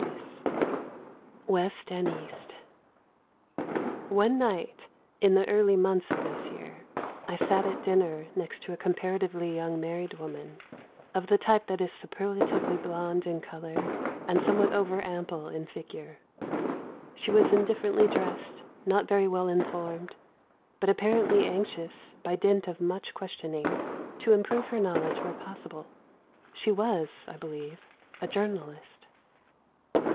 III WEST AND EAST One night, in the early months of this year, I sat at dinner next to a comparatively young married woman, of the type that is superlatively blonde in colour and somewhat over ample in figure. She was indifferently dressed, not very well informed, but apparently anxious, by dint of much questioning, to improve her knowledge where possible. She was, I believe, a journalist.